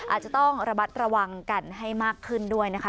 อาจจะต้องระมัดระวังกันให้มากขึ้นด้วยนะคะ